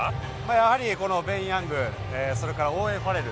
やはり、ベン・ヤングスそれからオーウェン・ファレル